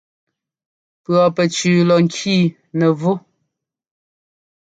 Pʉ̈ pɛcʉʉ lɔ ŋkii nɛ́vú.